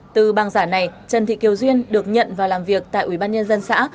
từ bằng giả này trần thị kiều duyên được nhận vào làm việc tại ubnd dân xã